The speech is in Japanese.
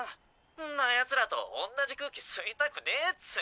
「んな奴らと同じ空気吸いたくねえっつうの」